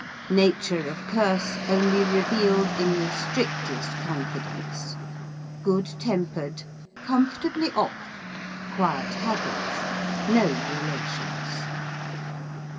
Nature of curse only revealed in the strictest confidence. Good tempered. Comfortably off. Quiet habits. No relations.